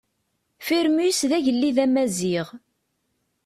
Firmus d agellid amaziɣ.